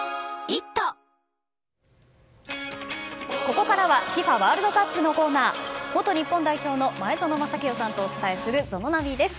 ここからは、ＦＩＦＡワールドカップのコーナー元日本代表の前園真聖さんとお伝えするＺＯＮＯナビです。